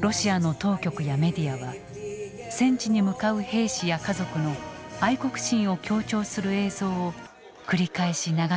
ロシアの当局やメディアは戦地に向かう兵士や家族の愛国心を強調する映像を繰り返し流してきた。